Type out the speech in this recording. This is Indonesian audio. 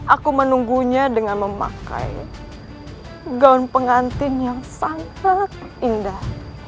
aku menunggunya dengan memakai gaun pengantin yang sangat indah